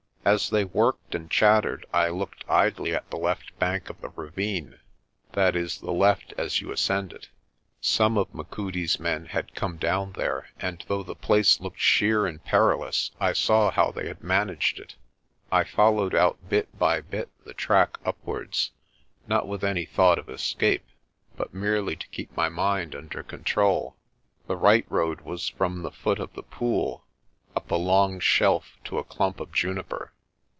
As they worked and chattered I looked idly at the left bank of the ravine that is, the left as you ascend it. Some of Machudi's men had come down there and, though the place looked sheer and perilous, I saw how they had managed it. I followed out bit by bit the track upwards, not with any thought of escape but merely to keep my mind under con MORNING IN THE BERG 185 trol. The right road was from the foot of the pool up a long shelf to a clump of juniper.